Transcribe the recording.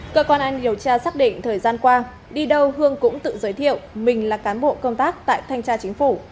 cơ quan anh điều tra xác định thời gian qua đi đâu hương cũng tự giới thiệu mình là cán bộ công tác tại thanh tra chính phủ